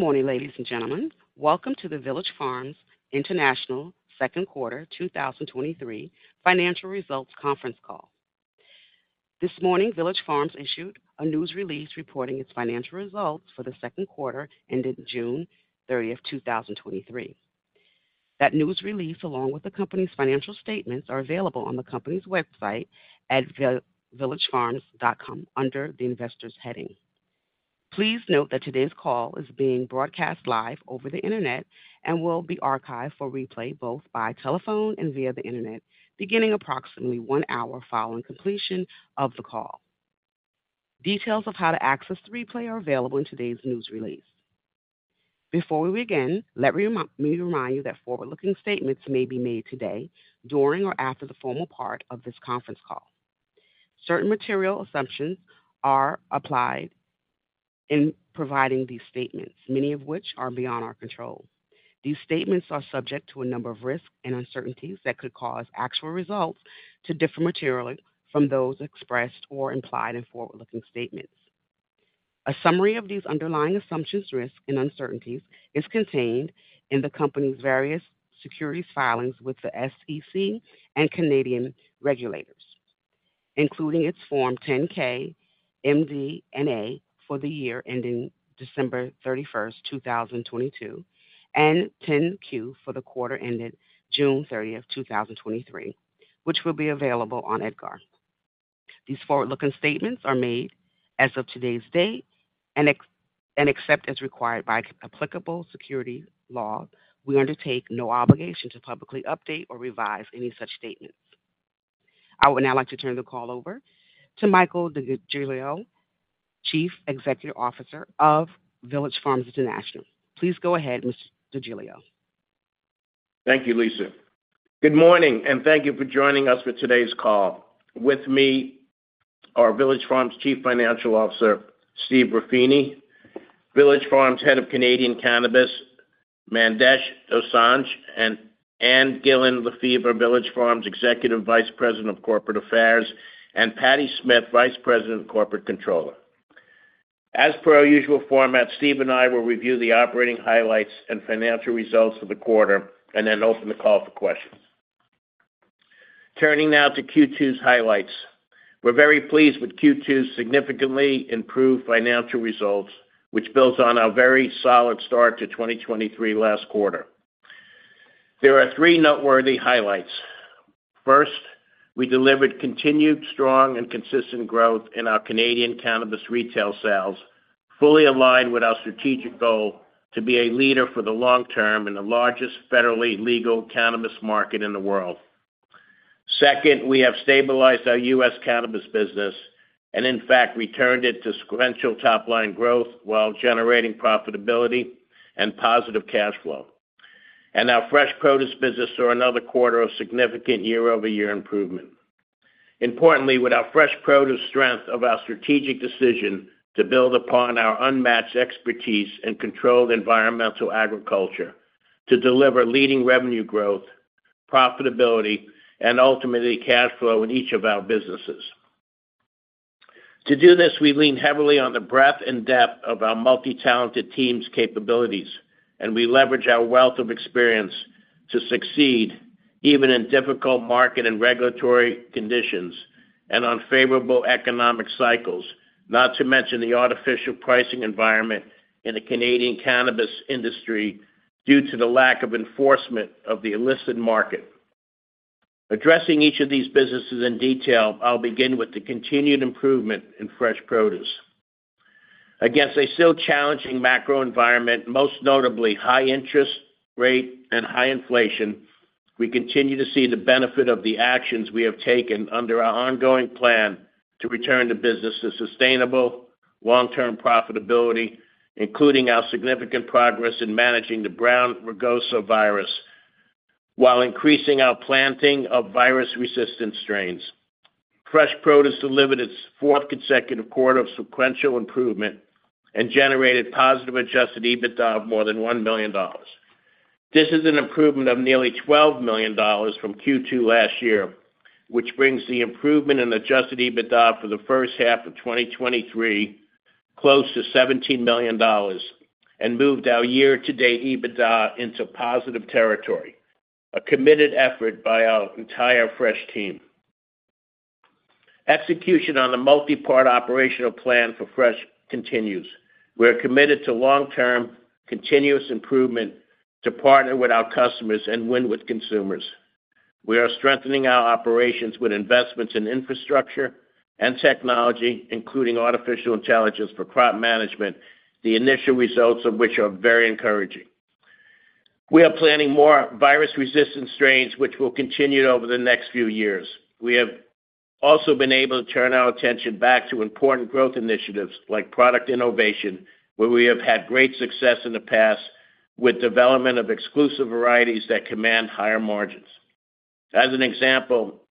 Good morning, ladies and gentlemen. Welcome to the Village Farms International Second Quarter 2023 Financial Results Conference Call. This morning, Village Farms issued a news release reporting its financial results for the second quarter ended June 30th, 2023. That news release, along with the company's financial statements, are available on the company's website at villagefarms.com, under the Investors heading. Please note that today's call is being broadcast live over the Internet and will be archived for replay, both by telephone and via the Internet, beginning approximately one hour following completion of the call. Details of how to access the replay are available in today's news release. Before we begin, let me remind you that forward-looking statements may be made today during or after the formal part of this conference call. Certain material assumptions are applied in providing these statements, many of which are beyond our control. These statements are subject to a number of risks and uncertainties that could cause actual results to differ materially from those expressed or implied in forward-looking statements. A summary of these underlying assumptions, risks and uncertainties is contained in the company's various securities filings with the SEC and Canadian regulators, including its Form 10-K, MD&A for the year ending December 31st, 2022, and 10-Q for the quarter ended June 30th, 2023, which will be available on EDGAR. These forward-looking statements are made as of today's date, and except as required by applicable security law, we undertake no obligation to publicly update or revise any such statements. I would now like to turn the call over to Michael DeGiglio, Chief Executive Officer of Village Farms International. Please go ahead, Mr. DeGiglio. Thank you, Lisa. Good morning, thank you for joining us for today's call. With me are Village Farms Chief Financial Officer, Stephen Ruffini; Village Farms Head of Canadian Cannabis, Mandesh Dosanjh; and Ann Gillin Lefever, Village Farms Executive Vice President of Corporate Affairs; and Patti Smith, Vice President and Corporate Controller. As per our usual format, Steve and I will review the operating highlights and financial results for the quarter and then open the call for questions. Turning now to Q2's highlights. We're very pleased with Q2's significantly improved financial results, which builds on our very solid start to 2023 last quarter. There are three noteworthy highlights. First, we delivered continued, strong and consistent growth in our Canadian cannabis retail sales, fully aligned with our strategic goal to be a leader for the long term in the largest federally legal cannabis market in the world. Second, we have stabilized our U.S. cannabis business and in fact returned it to sequential top-line growth while generating profitability and positive cash flow. Our fresh produce business saw another quarter of significant year-over-year improvement. Importantly, with our fresh produce strength of our strategic decision to build upon our unmatched expertise in controlled environmental agriculture to deliver leading revenue growth, profitability and ultimately cash flow in each of our businesses. To do this, we lean heavily on the breadth and depth of our multi-talented team's capabilities, and we leverage our wealth of experience to succeed even in difficult market and regulatory conditions and unfavorable economic cycles, not to mention the artificial pricing environment in the Canadian cannabis industry due to the lack of enforcement of the illicit market. Addressing each of these businesses in detail, I'll begin with the continued improvement in fresh produce. Against a still challenging macro environment, most notably high interest rate and high inflation, we continue to see the benefit of the actions we have taken under our ongoing plan to return the business to sustainable, long-term profitability, including our significant progress in managing the Tomato brown rugose fruit virus while increasing our planting of virus-resistant strains. Fresh Produce delivered its fourth consecutive quarter of sequential improvement and generated positive Adjusted EBITDA of more than $1 million. This is an improvement of nearly $12 million from Q2 last year, which brings the improvement in Adjusted EBITDA for the first half of 2023 close to $17 million and moved our year-to-date EBITDA into positive territory, a committed effort by our entire Fresh team. Execution on the multi-part operational plan for Fresh continues. We are committed to long-term, continuous improvement to partner with our customers and win with consumers. We are strengthening our operations with investments in infrastructure and technology, including artificial intelligence for crop management, the initial results of which are very encouraging. We are planning more virus-resistant strains, which will continue over the next few years. We have also been able to turn our attention back to important growth initiatives like product innovation, where we have had great success in the past with development of exclusive varieties that command higher margins. As an example,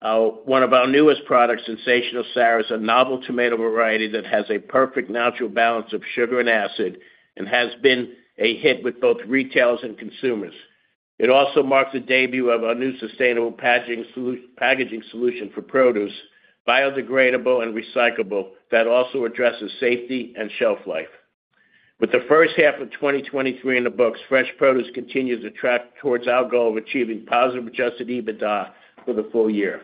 one of our newest products, Sensational Sara, is a novel tomato variety that has a perfect natural balance of sugar and acid and has been a hit with both retailers and consumers. It also marks the debut of our new sustainable packaging solution, packaging solution for produce, biodegradable and recyclable, that also addresses safety and shelf life. With the first half of 2023 in the books, fresh produce continues to track towards our goal of achieving positive Adjusted EBITDA for the full year.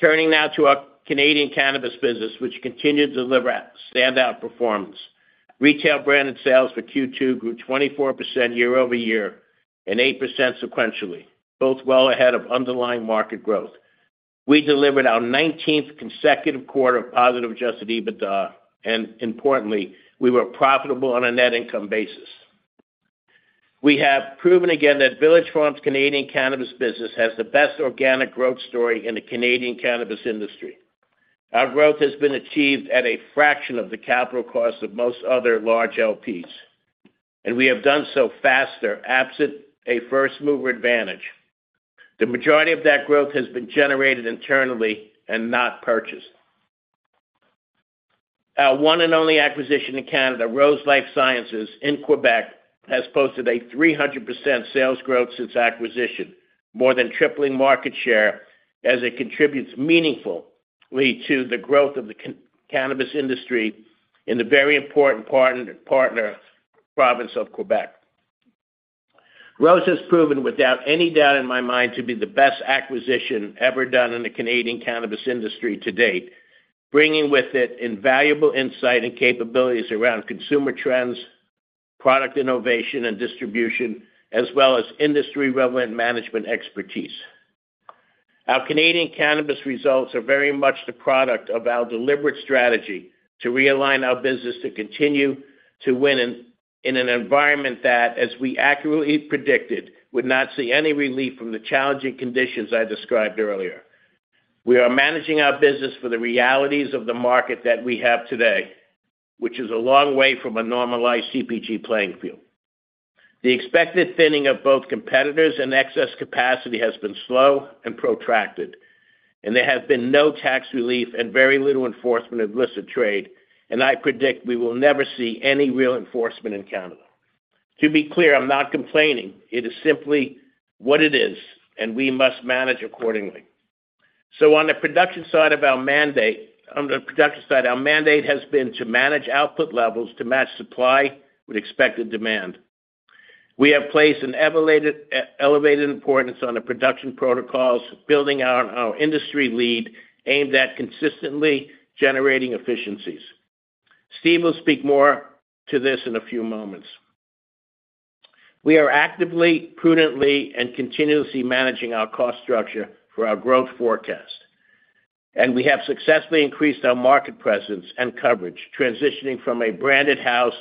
Turning now to our Canadian cannabis business, which continued to deliver a standout performance. Retail branded sales for Q2 grew 24% year-over-year and 8% sequentially, both well ahead of underlying market growth. We delivered our 19th consecutive quarter of positive Adjusted EBITDA, and importantly, we were profitable on a net income basis. We have proven again that Village Farms' Canadian cannabis business has the best organic growth story in the Canadian cannabis industry. Our growth has been achieved at a fraction of the capital costs of most other large LPs, and we have done so faster, absent a first-mover advantage. The majority of that growth has been generated internally and not purchased. Our one and only acquisition in Canada, Rose LifeScience in Quebec, has posted a 300% sales growth since acquisition, more than tripling market share as it contributes meaningfully to the growth of the cannabis industry in the very important partner province of Quebec. Rose has proven, without any doubt in my mind, to be the best acquisition ever done in the Canadian cannabis industry to date, bringing with it invaluable insight and capabilities around consumer trends, product innovation, and distribution, as well as industry-relevant management expertise. Our Canadian cannabis results are very much the product of our deliberate strategy to realign our business to continue to win in an environment that, as we accurately predicted, would not see any relief from the challenging conditions I described earlier. We are managing our business for the realities of the market that we have today, which is a long way from a normalized CPG playing field. The expected thinning of both competitors and excess capacity has been slow and protracted, there has been no tax relief and very little enforcement of illicit trade, and I predict we will never see any real enforcement in Canada. To be clear, I'm not complaining. It is simply what it is, and we must manage accordingly. On the production side of our mandate, on the production side, our mandate has been to manage output levels to match supply with expected demand. We have placed an elevated, elevated importance on the production protocols, building on our industry lead, aimed at consistently generating efficiencies. Steve will speak more to this in a few moments. We are actively, prudently, and continuously managing our cost structure for our growth forecast, and we have successfully increased our market presence and coverage, transitioning from a branded house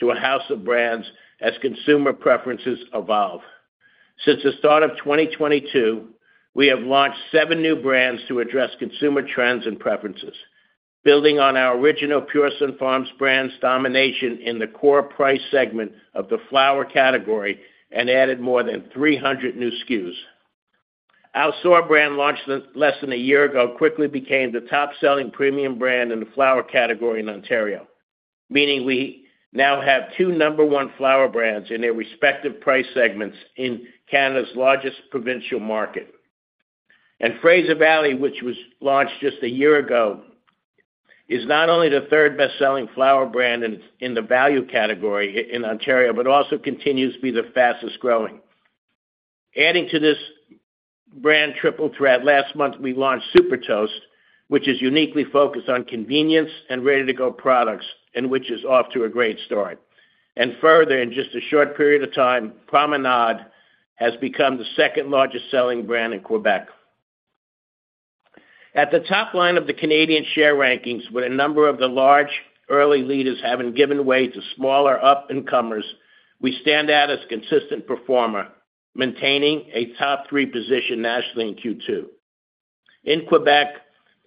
to a house of brands as consumer preferences evolve. Since the start of 2022, we have launched seven new brands to address consumer trends and preferences, building on our original Pure Sunfarms brands domination in the core price segment of the flower category and added more than 300 new SKUs. Our Soar brand, launched less than one year ago, quickly became the top-selling premium brand in the flower category in Ontario, meaning we now have two number-one flower brands in their respective price segments in Canada's largest provincial market. Fraser Valley, which was launched just one year ago, is not only the third best-selling flower brand in the value category in Ontario, but also continues to be the fastest-growing. Adding to this brand triple threat, last month, we launched Super Toast, which is uniquely focused on convenience and ready-to-go products and which is off to a great start. Further, in just a short period of time, Promenade has become the second largest selling brand in Quebec. At the top line of the Canadian share rankings, with a number of the large early leaders having given way to smaller up-and-comers, we stand out as a consistent performer, maintaining a top three position nationally in Q2. In Quebec,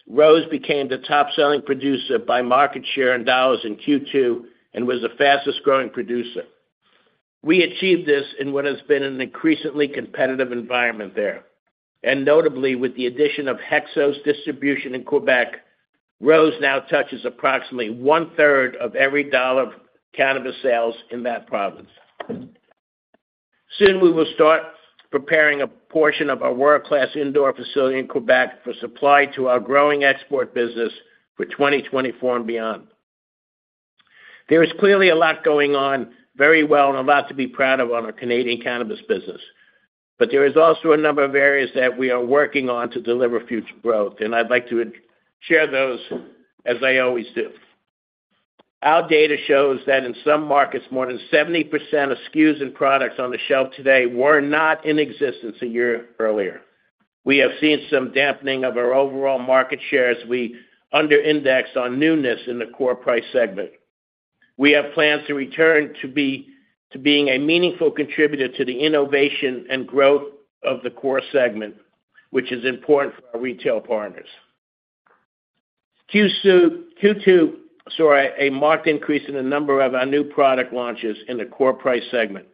Rose became the top-selling producer by market share and dollars in Q2 and was the fastest-growing producer. We achieved this in what has been an increasingly competitive environment there. Notably, with the addition of HEXO's distribution in Quebec, Rose now touches approximately one-third of every dollar of cannabis sales in that province. Soon, we will start preparing a portion of our world-class indoor facility in Quebec for supply to our growing export business for 2024 and beyond. There is clearly a lot going on very well and a lot to be proud of on our Canadian cannabis business. There is also a number of areas that we are working on to deliver future growth, and I'd like to share those as I always do. Our data shows that in some markets, more than 70% of SKUs and products on the shelf today were not in existence a year earlier. We have seen some dampening of our overall market share as we under-indexed on newness in the core price segment. We have plans to return to being a meaningful contributor to the innovation and growth of the core segment, which is important for our retail partners. Q2 saw a marked increase in the number of our new product launches in the core price segment,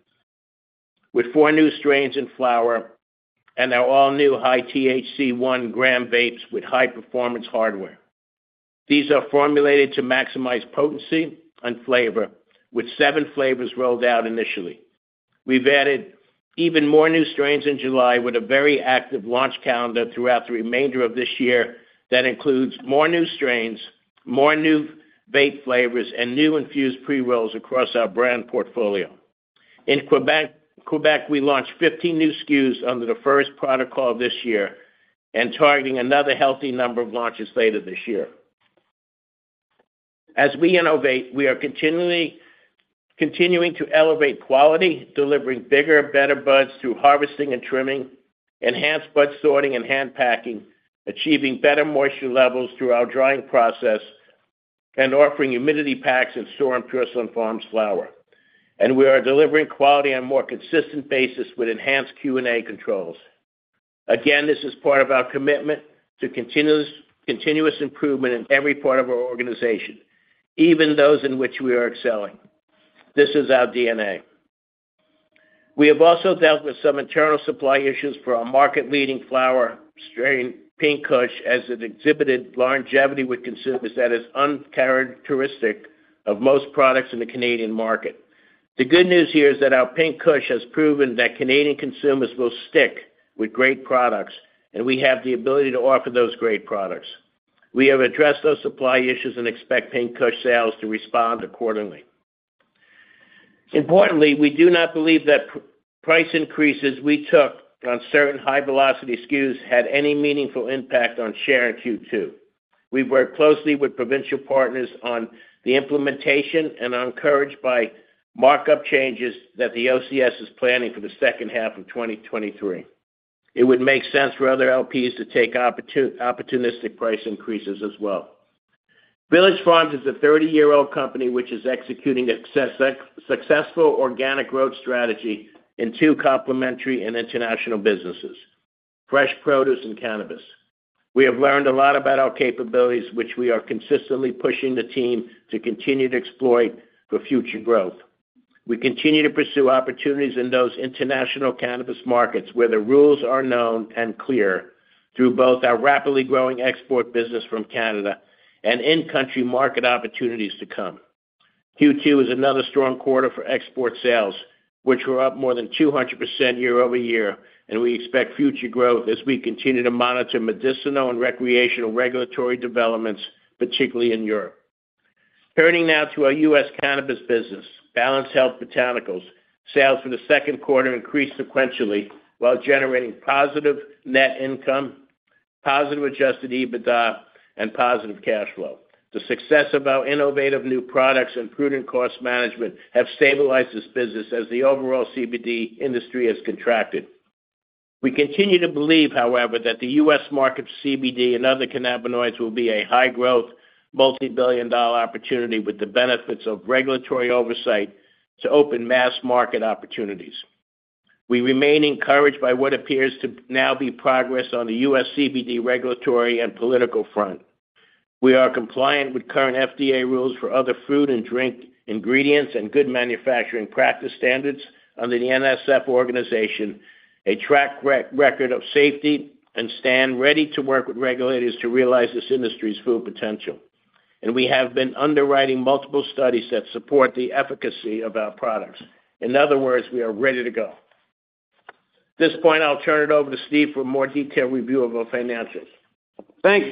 with four new strains in flower and our all-new high THC one-gram vapes with high-performance hardware. These are formulated to maximize potency and flavor, with seven flavors rolled out initially. We've added even more new strains in July, with a very active launch calendar throughout the remainder of this year that includes more new strains, more new vape flavors, and new infused pre-rolls across our brand portfolio. In Quebec, Quebec, we launched 15 new SKUs under the first protocol this year and targeting another healthy number of launches later this year. As we innovate, we are continuing to elevate quality, delivering bigger and better buds through harvesting and trimming, enhanced bud sorting and hand packing, achieving better moisture levels through our drying process, and offering humidity packs in store and Pure Sunfarms flower. We are delivering quality on a more consistent basis with enhanced Q&A controls. This is part of our commitment to continuous, continuous improvement in every part of our organization, even those in which we are excelling. This is our DNA. We have also dealt with some internal supply issues for our market-leading flower strain, Pink Kush, as it exhibited longevity with consumers that is uncharacteristic of most products in the Canadian market. The good news here is that our Pink Kush has proven that Canadian consumers will stick with great products. We have the ability to offer those great products. We have addressed those supply issues and expect Pink Kush sales to respond accordingly. Importantly, we do not believe that price increases we took on certain high-velocity SKUs had any meaningful impact on share in Q2. We've worked closely with provincial partners on the implementation and are encouraged by markup changes that the OCS is planning for the second half of 2023. It would make sense for other LPs to take opportunistic price increases as well. Village Farms is a 30-year-old company which is executing a successful organic growth strategy in two complementary and international businesses, fresh produce and cannabis. We have learned a lot about our capabilities, which we are consistently pushing the team to continue to exploit for future growth. We continue to pursue opportunities in those international cannabis markets where the rules are known and clear through both our rapidly growing export business from Canada and in-country market opportunities to come. Q2 is another strong quarter for export sales, which were up more than 200% year-over-year, and we expect future growth as we continue to monitor medicinal and recreational regulatory developments, particularly in Europe. Turning now to our U.S. cannabis business, Balanced Health Botanicals. Sales for the second quarter increased sequentially while generating positive net income, positive Adjusted EBITDA, and positive cash flow. The success of our innovative new products and prudent cost management have stabilized this business as the overall CBD industry has contracted. We continue to believe, however, that the U.S. market for CBD and other cannabinoids will be a high-growth, multi-billion dollar opportunity with the benefits of regulatory oversight to open mass-market opportunities. We remain encouraged by what appears to now be progress on the U.S. CBD regulatory and political front. We are compliant with current FDA rules for other food and drink ingredients and good manufacturing practice standards under the NSF organization, a track record of safety, and stand ready to work with regulators to realize this industry's full potential. We have been underwriting multiple studies that support the efficacy of our products. In other words, we are ready to go. At this point, I'll turn it over to Steve for a more detailed review of our finances. Thanks.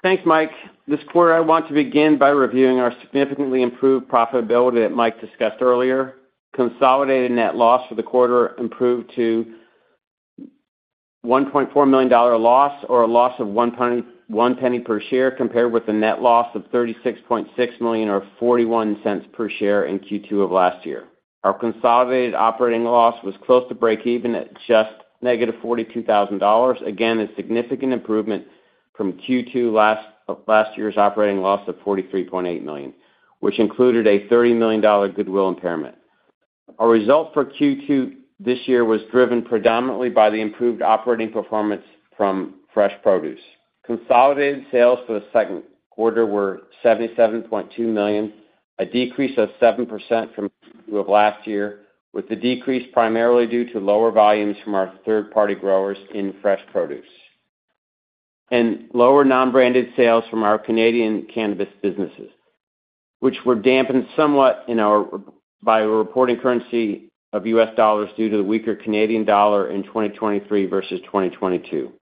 Thanks, Mike. This quarter, I want to begin by reviewing our significantly improved profitability that Mike discussed earlier. Consolidated net loss for the quarter improved to a $1.4 million loss, or a loss of $0.01 per share, compared with a net loss of $36.6 million, or $0.41 per share in Q2 of last year. Our consolidated operating loss was close to breakeven at just negative $42,000. Again, a significant improvement from Q2 last year's operating loss of $43.8 million, which included a $30 million goodwill impairment. Our result for Q2 this year was driven predominantly by the improved operating performance from fresh produce. Consolidated sales for the second quarter were $77.2 million, a decrease of 7% from last year, with the decrease primarily due to lower volumes from our third-party growers in fresh produce, and lower non-branded sales from our Canadian cannabis businesses, which were dampened somewhat by a reporting currency of U.S. dollars due to the weaker Canadian dollar in 2023 versus 2022.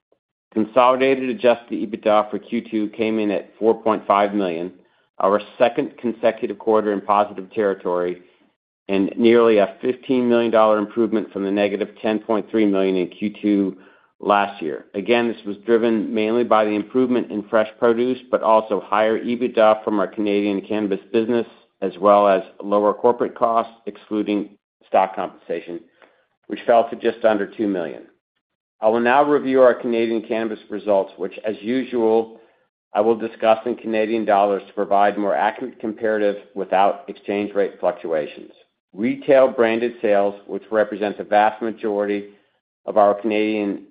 Consolidated Adjusted EBITDA for Q2 came in at $4.5 million, our second consecutive quarter in positive territory and nearly a $15 million improvement from the negative $10.3 million in Q2 last year. This was driven mainly by the improvement in fresh produce, but also higher EBITDA from our Canadian cannabis business, as well as lower corporate costs, excluding stock compensation, which fell to just under $2 million. I will now review our Canadian cannabis results, which, as usual, I will discuss in Canadian dollars to provide more accurate comparative without exchange rate fluctuations. Retail branded sales, which represents a vast majority of our Canadian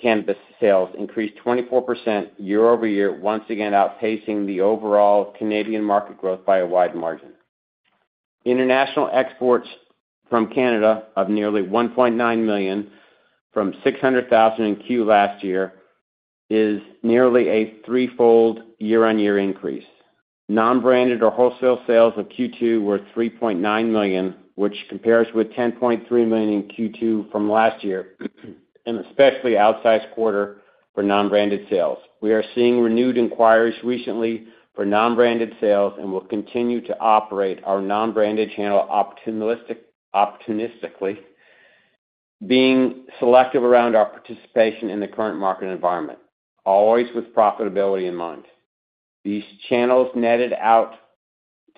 cannabis sales, increased 24% year-over-year, once again outpacing the overall Canadian market growth by a wide margin. International exports from Canada of nearly 1.9 million from 600,000 in Q last year, is nearly a threefold year-on-year increase. Non-branded or wholesale sales of Q2 were 3.9 million, which compares with 10.3 million in Q2 from last year, an especially outsized quarter for non-branded sales. We are seeing renewed inquiries recently for non-branded sales, and will continue to operate our non-branded channel opportunistic, optimistically, being selective around our participation in the current market environment, always with profitability in mind. These channels netted out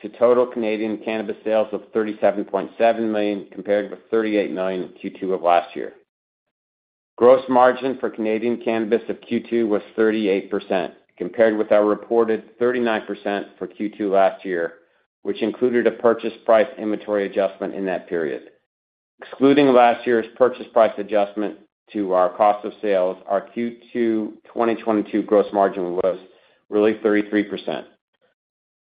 to total Canadian cannabis sales of $37.7 million, compared with $38 million in Q2 of last year. Gross margin for Canadian cannabis of Q2 was 38%, compared with our reported 39% for Q2 last year, which included a purchase price inventory adjustment in that period. Excluding last year's purchase price adjustment to our cost of sales, our Q2 2022 gross margin was really 33%.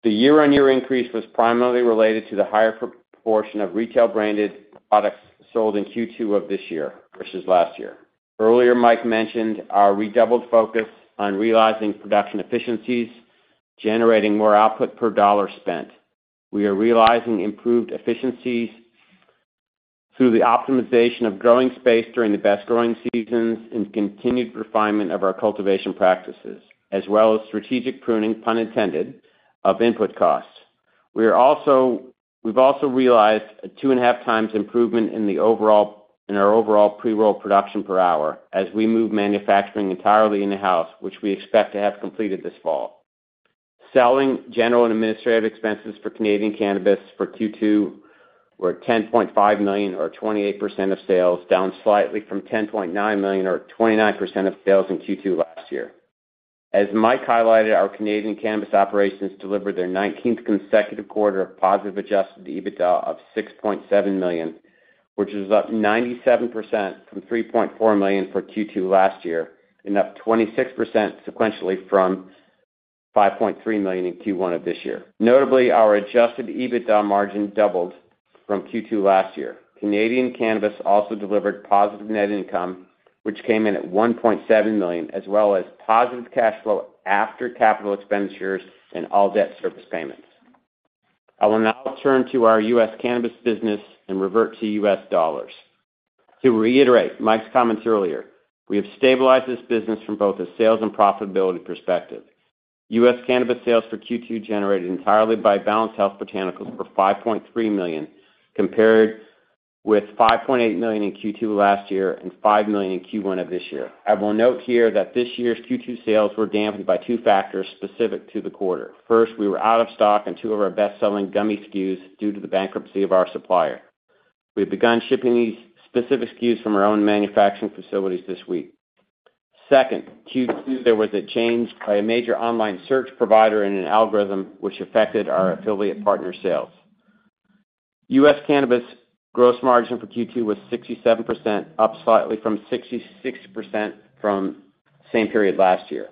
The year-on-year increase was primarily related to the higher proportion of retail branded products sold in Q2 of this year versus last year. Earlier, Mike mentioned our redoubled focus on realizing production efficiencies, generating more output per dollar spent. We are realizing improved efficiencies through the optimization of growing space during the best growing seasons and continued refinement of our cultivation practices, as well as strategic pruning, pun intended, of input costs. We've also realized a 2.5x improvement in the overall, in our overall pre-roll production per hour as we move manufacturing entirely in the house, which we expect to have completed this fall. Selling general and administrative expenses for Canadian cannabis for Q2 were $10.5 million, or 28% of sales, down slightly from $10.9 million, or 29% of sales in Q2 last year. As Mike highlighted, our Canadian cannabis operations delivered their 19th consecutive quarter of positive Adjusted EBITDA of $6.7 million, which is up 97% from $3.4 million for Q2 last year, and up 26% sequentially from $5.3 million in Q1 of this year. Notably, our Adjusted EBITDA margin doubled from Q2 last year. Canadian cannabis also delivered positive net income, which came in at 1.7 million, as well as positive cash flow after capital expenditures and all debt service payments. I will now turn to our U.S. cannabis business and revert to U.S. dollars. To reiterate Mike's comments earlier, we have stabilized this business from both a sales and profitability perspective. U.S. cannabis sales for Q2, generated entirely by Balanced Health Botanicals, were $5.3 million, compared with $5.8 million in Q2 last year and $5 million in Q1 of this year. I will note here that this year's Q2 sales were dampened by two factors specific to the quarter. First, we were out of stock on two of our best-selling gummy SKUs due to the bankruptcy of our supplier. We've begun shipping these specific SKUs from our own manufacturing facilities this week. Second, Q2, there was a change by a major online search provider in an algorithm which affected our affiliate partner sales. U.S. cannabis gross margin for Q2 was 67%, up slightly from 66% from same period last year.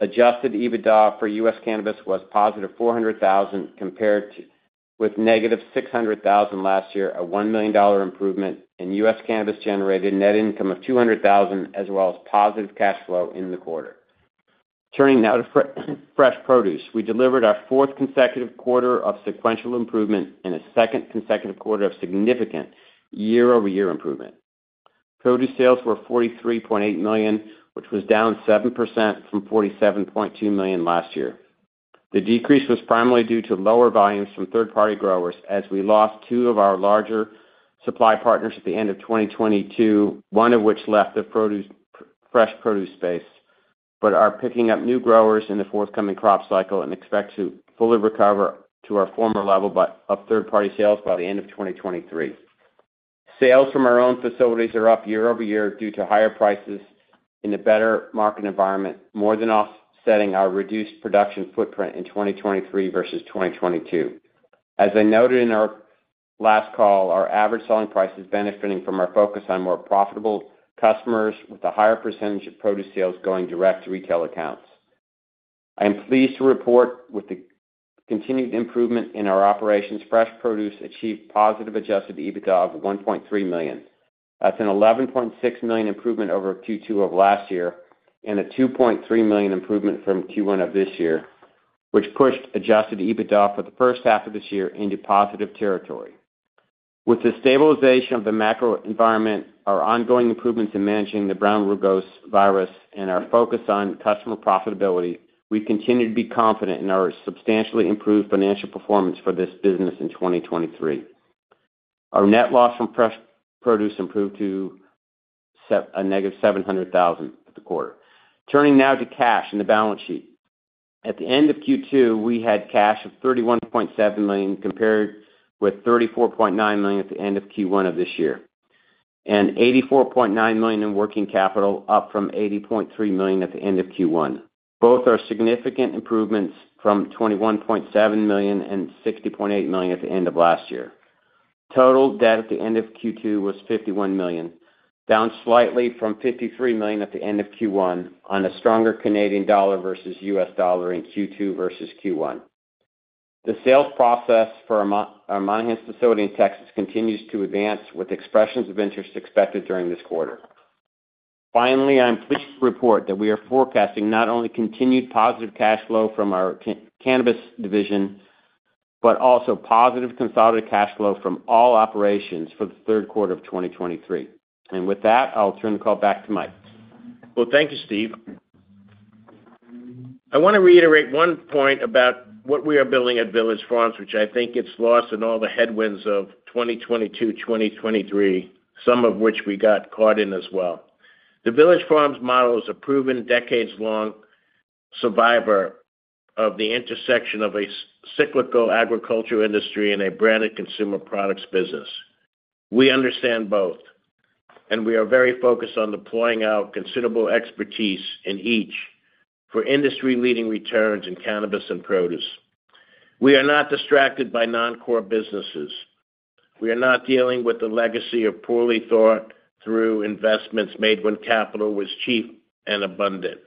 Adjusted EBITDA for U.S. cannabis was positive $400,000, compared with negative $600,000 last year, a $1 million improvement. U.S. cannabis generated net income of $200,000, as well as positive cash flow in the quarter. Turning now to fresh produce. We delivered our fourth consecutive quarter of sequential improvement and a second consecutive quarter of significant year-over-year improvement. Produce sales were $43.8 million, which was down 7% from $47.2 million last year. The decrease was primarily due to lower volumes from third-party growers, as we lost two of our larger supply partners at the end of 2022, one of which left the fresh produce space, but are picking up new growers in the forthcoming crop cycle and expect to fully recover to our former level by of third-party sales by the end of 2023. Sales from our own facilities are up year-over-year due to higher prices in a better market environment, more than offsetting our reduced production footprint in 2023 versus 2022. As I noted in our last call, our average selling price is benefiting from our focus on more profitable customers, with a higher percentage of produce sales going direct to retail accounts. I am pleased to report, with the continued improvement in our operations, fresh produce achieved positive Adjusted EBITDA of $1.3 million. That's an $11.6 million improvement over Q2 of last year, and a $2.3 million improvement from Q1 of this year, which pushed Adjusted EBITDA for the first half of this year into positive territory. With the stabilization of the macro environment, our ongoing improvements in managing the Brown Rugose Virus, and our focus on customer profitability, we continue to be confident in our substantially improved financial performance for this business in 2023. Our net loss from fresh produce improved to a negative $700,000 at the quarter. Turning now to cash in the balance sheet. At the end of Q2, we had cash of $31.7 million, compared with $34.9 million at the end of Q1 of this year, and $84.9 million in working capital, up from $80.3 million at the end of Q1. Both are significant improvements from $21.7 million and $60.8 million at the end of last year. Total debt at the end of Q2 was $51 million, down slightly from $53 million at the end of Q1 on a stronger Canadian dollar versus U.S. dollar in Q2 versus Q1. The sales process for our Monahans, our Monahans facility in Texas continues to advance, with expressions of interest expected during this quarter. Finally, I'm pleased to report that we are forecasting not only continued positive cash flow from our cannabis division, but also positive consolidated cash flow from all operations for the third quarter of 2023. With that, I'll turn the call back to Mike. Well, thank you, Steve. I want to reiterate one point about what we are building at Village Farms, which I think gets lost in all the headwinds of 2022, 2023, some of which we got caught in as well. The Village Farms model is a proven, decades-long survivor of the intersection of a cyclical agricultural industry and a branded consumer products business. We understand both, and we are very focused on deploying our considerable expertise in each for industry-leading returns in cannabis and produce. We are not distracted by non-core businesses. We are not dealing with the legacy of poorly thought-through investments made when capital was cheap and abundant.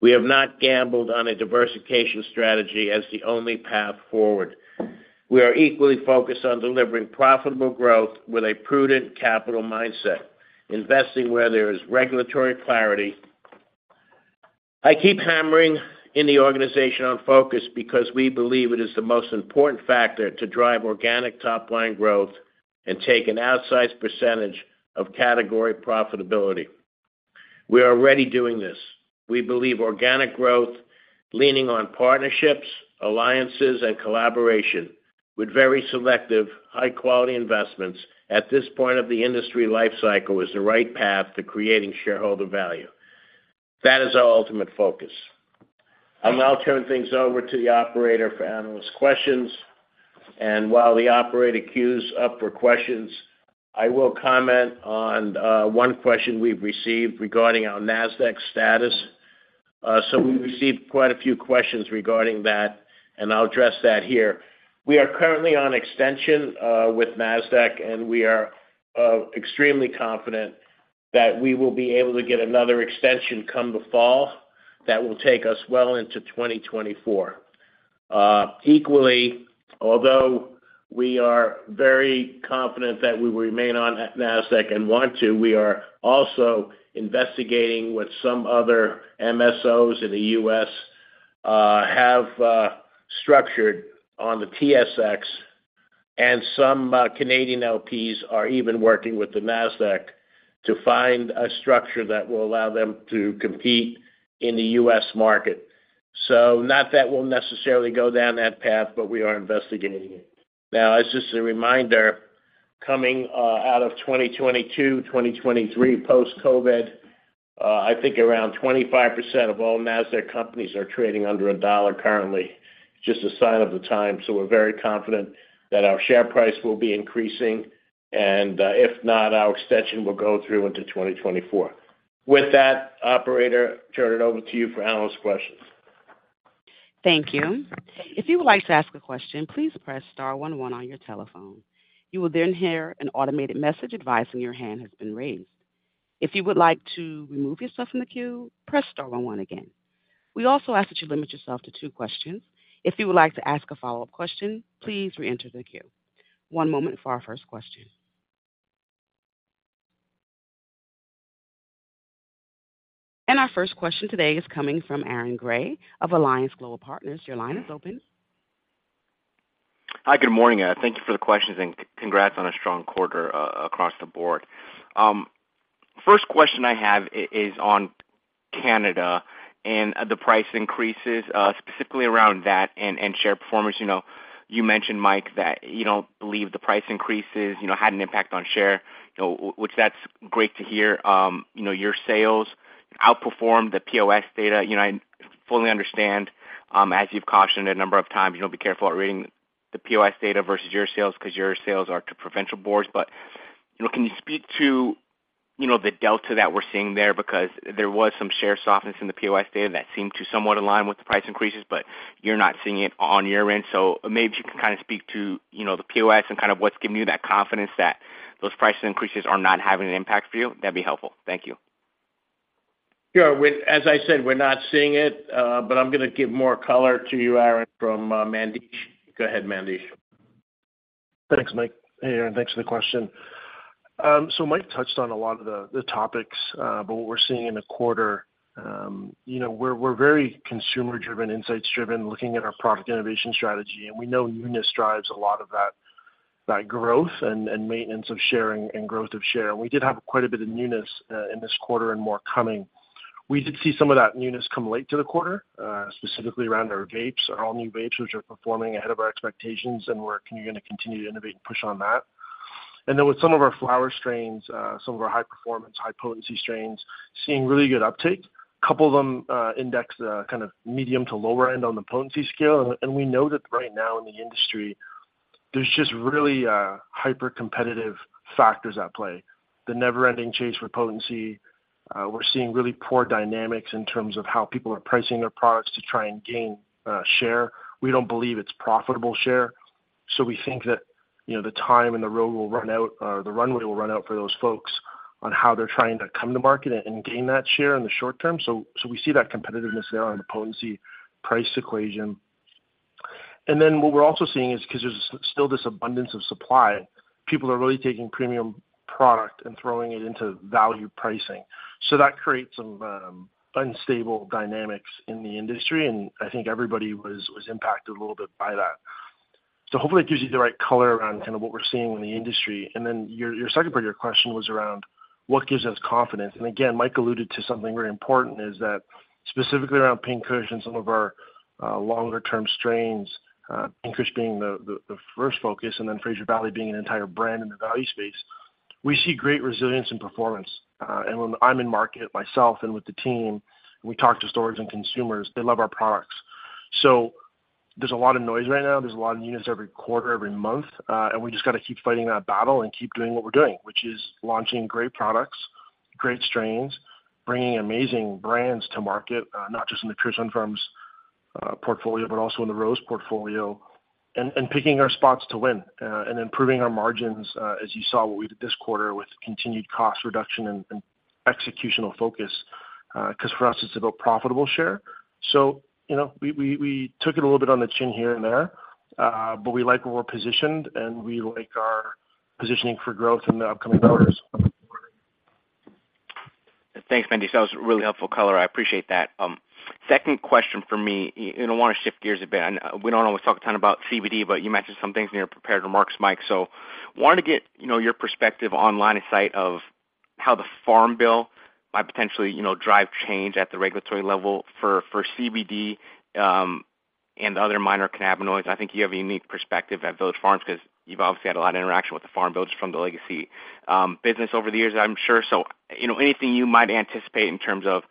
We have not gambled on a diversification strategy as the only path forward. We are equally focused on delivering profitable growth with a prudent capital mindset, investing where there is regulatory clarity. I keep hammering in the organization on focus because we believe it is the most important factor to drive organic top-line growth and take an outsized percentage of category profitability. We are already doing this. We believe organic growth, leaning on partnerships, alliances, and collaboration with very selective, high-quality investments at this point of the industry life cycle, is the right path to creating shareholder value. That is our ultimate focus. I'll now turn things over to the operator for analyst questions. While the operator queues up for questions, I will comment on one question we've received regarding our Nasdaq status. We've received quite a few questions regarding that, and I'll address that here. We are currently on extension with Nasdaq, and we are extremely confident that we will be able to get another extension come the fall. That will take us well into 2024. Equally, although we are very confident that we will remain on Nasdaq and want to, we are also investigating what some other MSOs in the U.S. have structured on the TSX, and some Canadian LPs are even working with the Nasdaq to find a structure that will allow them to compete in the U.S. market. Not that we'll necessarily go down that path, but we are investigating it. Now, as just a reminder, coming out of 2022, 2023, post-COVID, I think around 25% of all Nasdaq companies are trading under $1 currently. Just a sign of the times, we're very confident that our share price will be increasing, and if not, our extension will go through into 2024. With that, operator, turn it over to you for analyst questions. Thank you. If you would like to ask a question, please press star one one on your telephone. You will then hear an automated message advising your hand has been raised. If you would like to remove yourself from the queue, press star one one again. We also ask that you limit yourself to two questions. If you would like to ask a follow-up question, please reenter the queue. One moment for our first question. Our first question today is coming from Aaron Grey of Alliance Global Partners. Your line is open. Hi, good morning, thank you for the questions, and congrats on a strong quarter, across the board. First question I have is on Canada and the price increases, specifically around that and, and share performance. You know, you mentioned, Mike, that you don't believe the price increases, you know, had an impact on share, you know, which that's great to hear. You know, your sales outperformed the POS data. You know, I fully understand, as you've cautioned a number of times, you know, be careful about reading the POS data versus your sales because your sales are to provincial boards. Can you speak to, you know, the delta that we're seeing there? There was some share softness in the POS data that seemed to somewhat align with the price increases, but you're not seeing it on your end. Maybe if you can kinda speak to, you know, the POS and kind of what's giving you that confidence that those price increases are not having an impact for you, that'd be helpful. Thank you. Sure. As I said, we're not seeing it, but I'm gonna give more color to you, Aaron, from Mandesh. Go ahead, Mandesh. Thanks, Mike. Hey, Aaron Grey, thanks for the question. Mike touched on a lot of the, the topics, but what we're seeing in the quarter, you know, we're, we're very consumer-driven, insights-driven, looking at our product innovation strategy, and we know newness drives a lot of that, that growth and, and maintenance of sharing and growth of share. We did have quite a bit of newness in this quarter and more coming. We did see some of that newness come late to the quarter, specifically around our vapes, our all-new vapes, which are performing ahead of our expectations, and we're gonna continue to innovate and push on that. Then with some of our flower strains, some of our high-performance, high-potency strains, seeing really good uptake. A couple of them, index, kind of medium to lower end on the potency scale. We know that right now in the industry, there's just really hypercompetitive factors at play. The never-ending chase for potency. We're seeing really poor dynamics in terms of how people are pricing their products to try and gain share. We don't believe it's profitable share. We think that, you know, the time and the road will run out, the runway will run out for those folks on how they're trying to come to market and gain that share in the short term. We see that competitiveness there on the potency price equation. Then what we're also seeing is, because there's still this abundance of supply, people are really taking premium product and throwing it into value pricing. That creates some unstable dynamics in the industry, and I think everybody was impacted a little bit by that. Hopefully, that gives you the right color around kind of what we're seeing in the industry. Then your, your second part of your question was around what gives us confidence? Again, Mike alluded to something very important, is that specifically around Pink Kush and some of our longer-term strains, Pink Kush being the first focus, and then Fraser Valley being an entire brand in the value space. We see great resilience and performance, and when I'm in market myself and with the team, and we talk to stores and consumers, they love our products. There's a lot of noise right now. There's a lot of news every quarter, every month, and we just got to keep fighting that battle and keep doing what we're doing, which is launching great products, great strains, bringing amazing brands to market, not just in the Pure Sunfarms portfolio, but also in the Rose portfolio, and picking our spots to win, and improving our margins, as you saw what we did this quarter with continued cost reduction and executional focus, because for us, it's about profitable share. You know, we took it a little bit on the chin here and there, but we like where we're positioned, and we like our positioning for growth in the upcoming quarters. Thanks, Mandy. That was a really helpful color. I appreciate that. Second question for me, I want to shift gears a bit. We don't always talk a ton about CBD, but you mentioned some things in your prepared remarks, Mike. Wanted to get, you know, your perspective on line of sight of how the Farm Bill might potentially, you know, drive change at the regulatory level for, for CBD, and other minor cannabinoids. I think you have a unique perspective at Village Farms because you've obviously had a lot of interaction with the Farm Bill just from the legacy, business over the years, I'm sure. Anything you might anticipate in terms of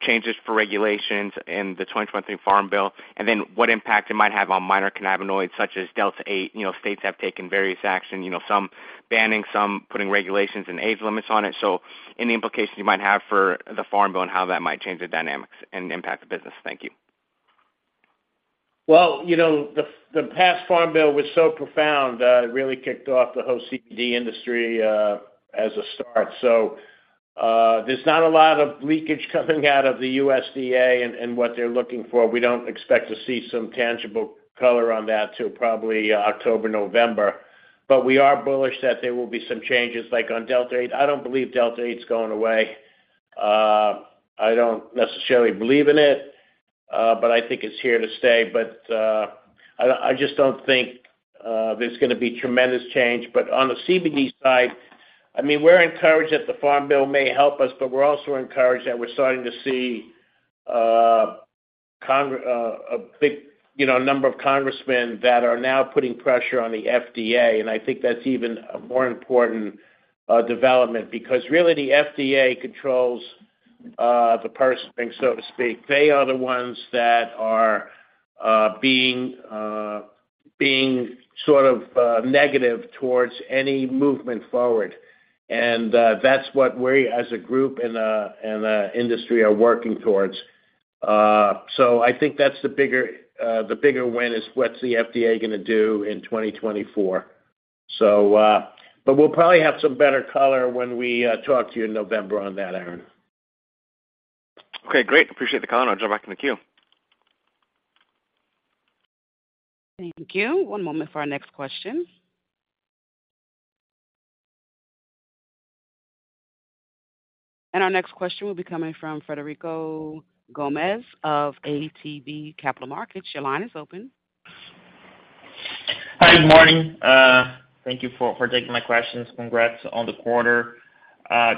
changes for regulations in the 2020 Farm Bill, and then what impact it might have on minor cannabinoids such as Delta-8? You know, states have taken various action, you know, some banning, some putting regulations and age limits on it. Any implications you might have for the Farm Bill and how that might change the dynamics and impact the business? Thank you. Well, you know, the, the past Farm Bill was so profound, it really kicked off the whole CBD industry, as a start. There's not a lot of leakage coming out of the USDA and, and what they're looking for. We don't expect to see some tangible color on that till probably October, November. We are bullish that there will be some changes, like on Delta-8. I don't believe Delta-8 is going away. I don't necessarily believe in it, but I think it's here to stay. I, I just don't think there's gonna be tremendous change. On the CBD side, I mean, we're encouraged that the Farm Bill may help us, but we're also encouraged that we're starting to see a big, you know, number of congressmen that are now putting pressure on the FDA, and I think that's even a more important development, because really, the FDA controls the purse string, so to speak. They are the ones that are being being sort of negative towards any movement forward. And that's what we, as a group and and industry, are working towards. So I think that's the bigger the bigger win is what's the FDA going to do in 2024. So but we'll probably have some better color when we talk to you in November on that, Aaron. Okay, great. Appreciate the call. I'll jump back in the queue. Thank you. One moment for our next question. Our next question will be coming from Frederico Gomes of ATB Capital Markets. Your line is open. Hi, good morning. Thank you for taking my questions. Congrats on the quarter.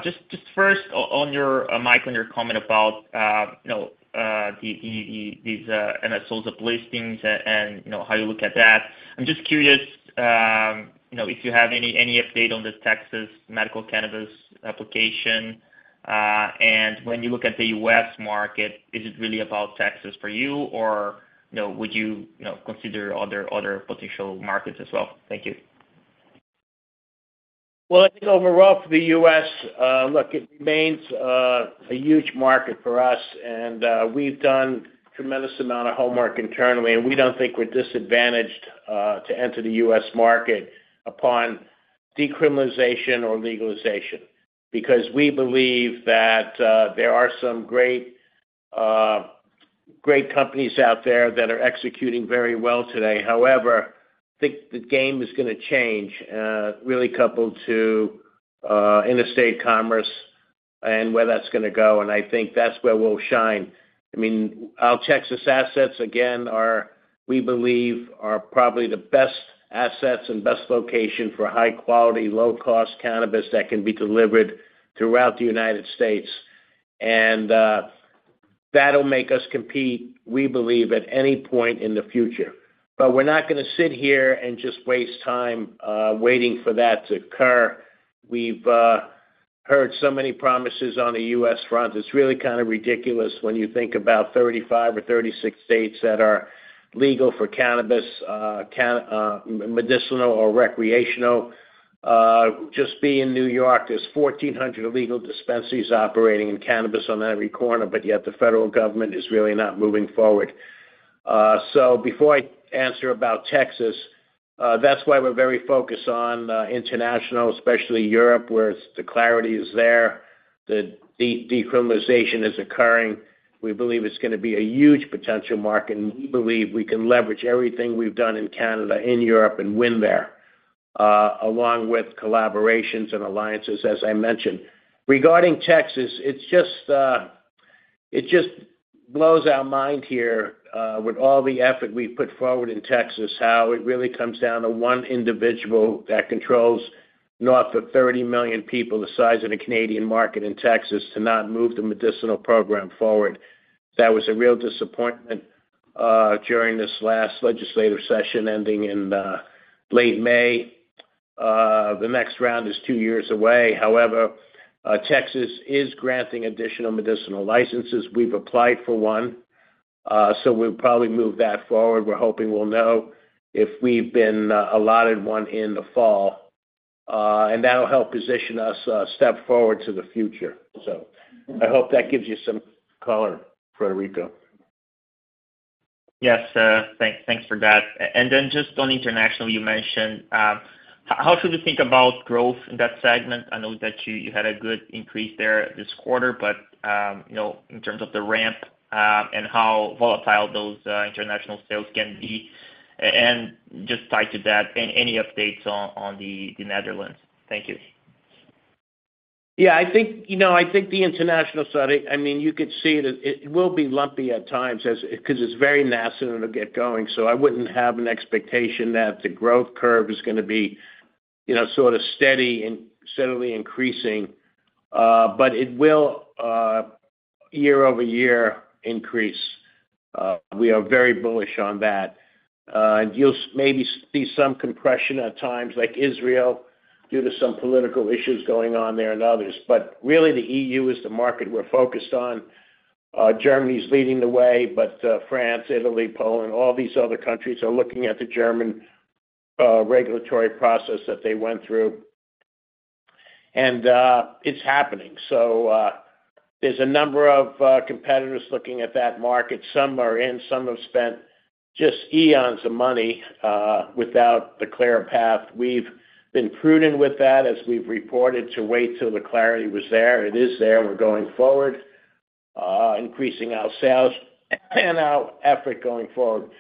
Just first, on your Mike, on your comment about, you know, these and the sources of listings and, and, you know, how you look at that. I'm just curious, you know, if you have any update on the Texas Medical Cannabis application, and when you look at the U.S. market, is it really about Texas for you, or, you know, would you consider other potential markets as well? Thank you. Well, I think overall for the U.S., look, it remains a huge market for us, and we've done tremendous amount of homework internally, and we don't think we're disadvantaged to enter the U.S. market upon decriminalization or legalization. Because we believe that there are some great, great companies out there that are executing very well today. However, I think the game is gonna change, really coupled to interstate commerce and where that's gonna go, and I think that's where we'll shine. I mean, our Texas assets, again, are, we believe, are probably the best assets and best location for high quality, low-cost cannabis that can be delivered throughout the United States. That'll make us compete, we believe, at any point in the future. We're not gonna sit here and just waste time waiting for that to occur. We've heard so many promises on the U.S. front. It's really kind of ridiculous when you think about 35 or 36 states that are legal for cannabis, medicinal or recreational. Just be in New York, there's 1,400 illegal dispensaries operating in cannabis on every corner, yet the federal government is really not moving forward. Before I answer about Texas, that's why we're very focused on international, especially Europe, where the clarity is there, the decriminalization is occurring. We believe it's gonna be a huge potential market, and we believe we can leverage everything we've done in Canada, in Europe, and win there, along with collaborations and alliances, as I mentioned. Regarding Texas, it's just, it just blows our mind here, with all the effort we've put forward in Texas, how it really comes down to one individual that controls north of 30 million people, the size of the Canadian market in Texas, to not move the medicinal program forward. That was a real disappointment during this last legislative session, ending in late May. The next round is two years away. However, Texas is granting additional medicinal licenses. We've applied for one, so we'll probably move that forward. We're hoping we'll know if we've been allotted one in the fall, and that'll help position us a step forward to the future. I hope that gives you some color, Federico. Yes, thank, thanks for that. Then just on international, you mentioned, how should we think about growth in that segment? I know that you, you had a good increase there this quarter, but, you know, in terms of the ramp, and how volatile those international sales can be. Just tied to that, any updates on the Netherlands? Thank you. Yeah, I think, you know, I think the international side, I mean, you could see it, it will be lumpy at times 'cause it's very nascent to get going, so I wouldn't have an expectation that the growth curve is gonna be, you know, sort of steady and steadily increasing. It will year-over-year increase. We are very bullish on that. You'll maybe see some compression at times, like Israel, due to some political issues going on there and others. Really, the EU is the market we're focused on. Germany's leading the way, France, Italy, Poland, all these other countries are looking at the German regulatory process that they went through. It's happening. There's a number of competitors looking at that market. Some are in, some have spent just eons of money, without the clear path. We've been prudent with that, as we've reported, to wait till the clarity was there. It is there. We're going forward, increasing our sales and our effort going forward.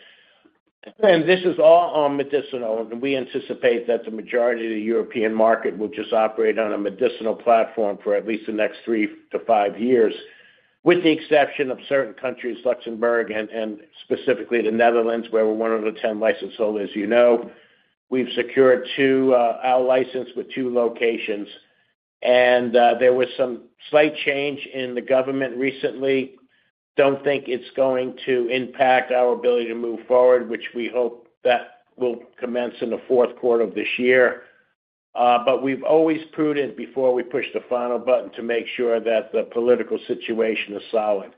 This is all on medicinal, and we anticipate that the majority of the European market will just operate on a medicinal platform for at least the next three to five years, with the exception of certain countries, Luxembourg and specifically the Netherlands, where we're one of the 10 license holders, you know. We've secured two, our license with two locations, and there was some slight change in the government recently. Don't think it's going to impact our ability to move forward, which we hope that will commence in the fourth quarter of this year. We've always prudent before we push the final button to make sure that the political situation is solid.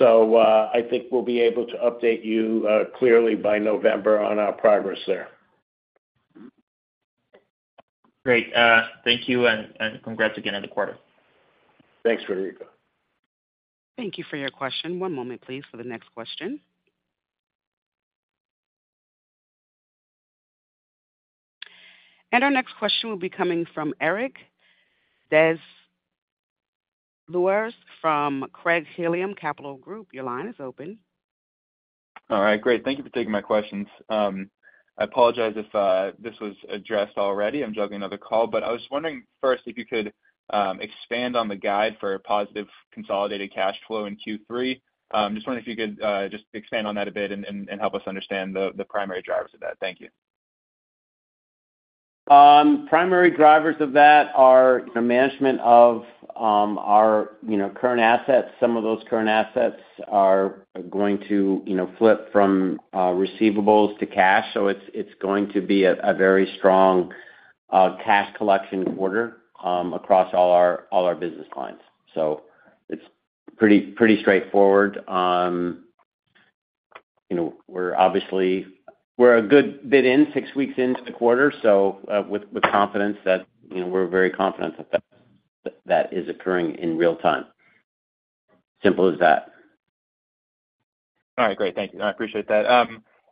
I think we'll be able to update you clearly by November on our progress there. Great. Thank you, and congrats again on the quarter. Thanks, Frederico. Thank you for your question. One moment, please, for the next question. Our next question will be coming from Eric Des Lauriers from Craig-Hallum Capital Group. Your line is open. All right, great. Thank you for taking my questions. I apologize if this was addressed already. I'm juggling another call, but I was wondering first if you could expand on the guide for positive consolidated cash flow in Q3. Just wondering if you could just expand on that a bit and, and, and help us understand the, the primary drivers of that. Thank you. Primary drivers of that are the management of our, you know, current assets. Some of those current assets are going to, you know, flip from receivables to cash, so it's going to be a very strong cash collection quarter across all our, all our business lines. It's pretty, pretty straightforward. You know, we're obviously, we're a good bit in, six weeks into the quarter, so with, with confidence that, you know, we're very confident that, that is occurring in real time. Simple as that. All right, great. Thank you. I appreciate that.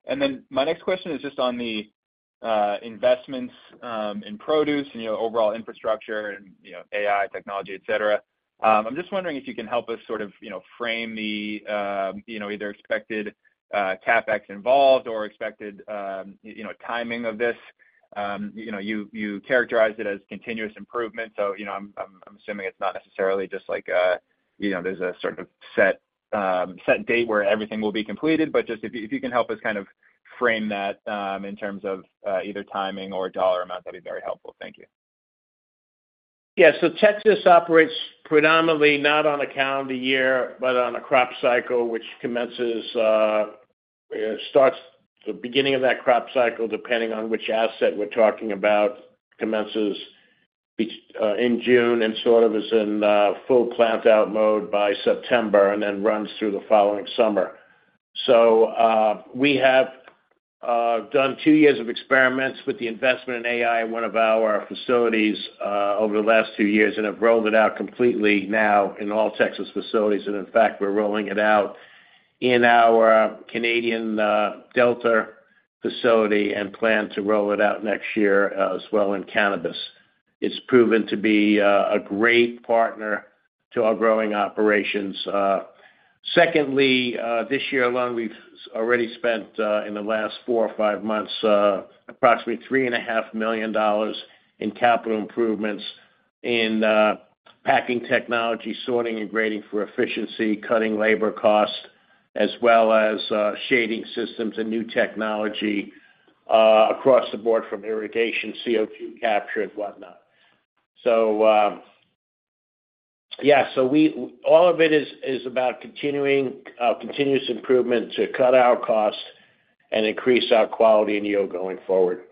Then my next question is just on the investments in produce and, you know, overall infrastructure and, you know, AI, technology, et cetera. I'm just wondering if you can help us sort of, you know, frame the, you know, either expected CapEx involved or expected, you know, timing of this. You know, you, you characterized it as continuous improvement, so, you know, I'm, I'm, I'm assuming it's not necessarily just like, you know, there's a sort of set set date where everything will be completed, but just if you, if you can help us kind of frame that in terms of either timing or dollar amount, that'd be very helpful. Thank you. Yeah, Texas operates predominantly not on a calendar year, but on a crop cycle, which commences, starts the beginning of that crop cycle, depending on which asset we're talking about, commences... In June and sort of is in full plant out mode by September and then runs through the following summer. We have done two years of experiments with the investment in AI in one of our facilities over the last two years and have rolled it out completely now in all Texas facilities. In fact, we're rolling it out in our Canadian Delta facility and plan to roll it out next year as well in cannabis. It's proven to be a great partner to our growing operations. Secondly, this year alone, we've already spent, in the last four or five months, approximately $3.5 million in capital improvements in packing technology, sorting and grading for efficiency, cutting labor costs, as well as shading systems and new technology across the board from irrigation, CO2 capture and whatnot. Yeah, so we all of it is about continuing continuous improvement to cut our costs and increase our quality and yield going forward.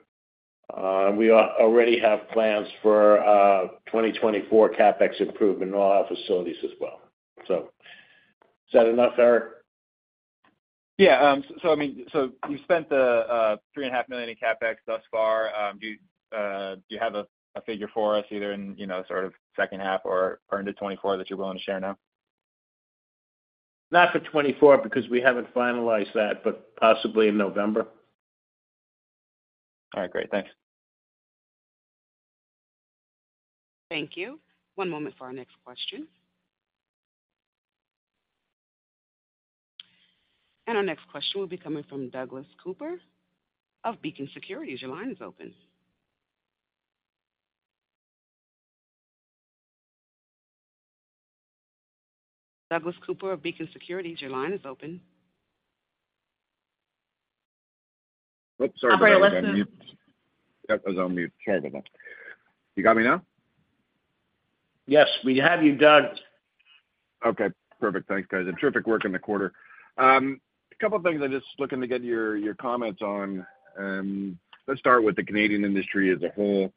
We already have plans for 2024 CapEx improvement in all our facilities as well. Is that enough, Eric? Yeah, I mean, you spent $3.5 million in CapEx thus far. Do you have a figure for us, either in, you know, sort of second half or into 2024 that you're willing to share now? Not for 2024, because we haven't finalized that, but possibly in November. All right, great. Thanks. Thank you. One moment for our next question. Our next question will be coming from Douglas Cooper of Beacon Securities. Your line is open. Douglas Cooper of Beacon Securities, your line is open. Oops, sorry. Operator, listen. That was on mute. Sorry about that. You got me now? Yes, we have you, Doug. Okay, perfect. Thanks, guys. Terrific work in the quarter. A couple of things I'm just looking to get your, your comments on. Let's start with the Canadian industry as a whole.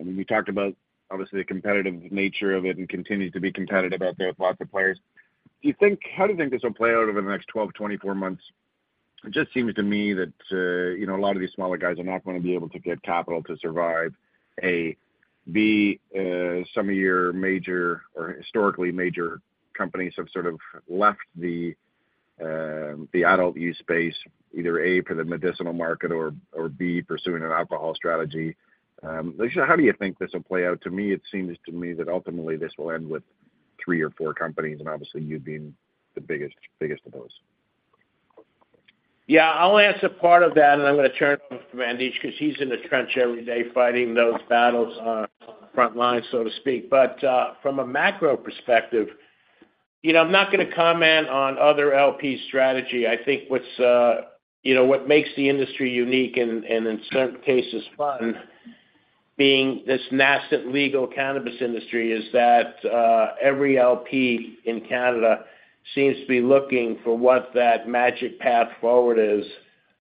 I mean, we talked about obviously, the competitive nature of it and continues to be competitive out there with lots of players. How do you think this will play out over the next 12 to 24 months? It just seems to me that, you know, a lot of these smaller guys are not going to be able to get capital to survive, A. B., some of your major or historically major companies have sort of left the adult use space, either A, for the medicinal market, or, or B, pursuing an alcohol strategy. How do you think this will play out? To me, it seems to me that ultimately this will end with three or four companies, and obviously you being the biggest, biggest of those. Yeah, I'll answer part of that, and I'm going to turn over to Mandesh because he's in the trench every day fighting those battles on the front line, so to speak. From a macro perspective, you know, I'm not going to comment on other LP strategy. I think what's, you know, what makes the industry unique and, and in certain cases, fun, being this nascent legal cannabis industry, is that every LP in Canada seems to be looking for what that magic path forward is,